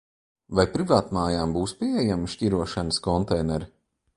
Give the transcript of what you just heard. Vai privātmājām būs pieejami šķirošanas konteineri?